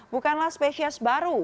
bukanlah spesies baru